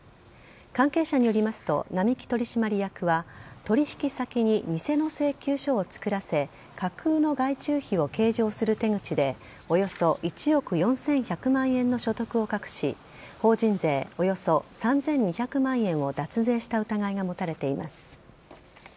関係者によりますと並木取締役は取引先に偽の請求書を作らせ架空の外注費を計上する手口でおよそ１億４１００万円の所得を隠し法人税およそ３２００万円を脱税した疑いが持たれています。